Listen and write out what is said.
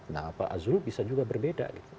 nah pak zulkifli bisa juga berbeda